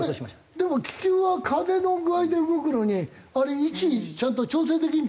でも気球は風の具合で動くのにあれ位置ちゃんと調整できるの？